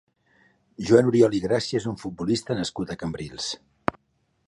Joan Oriol i Gràcia és un futbolista nascut a Cambrils.